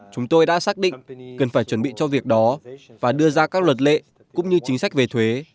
chúng tôi đã xác định cần phải chuẩn bị cho việc đó và đưa ra các luật lệ cũng như chính sách về thuế